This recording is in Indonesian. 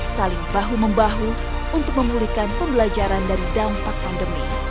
saling bahu membahu untuk memulihkan pembelajaran dari dampak pandemi